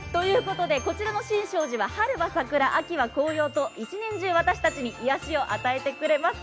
こちらの神勝寺は、春は桜、秋は紅葉と１年中私たちに癒やしを与えてくれます。